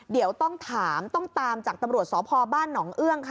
เดี๋ยวต้องถามต้องตามจากตำรวจสพบ้านหนองเอื้องค่ะ